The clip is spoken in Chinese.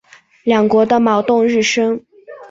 两国的矛盾日深。